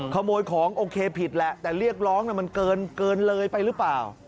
ขโมยของโอเคผิดแหละแต่เรียกร้องมันเกินเลยไปหรือเปล่า